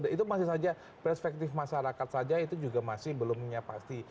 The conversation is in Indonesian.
itu masih saja perspektif masyarakat saja itu juga masih belumnya pasti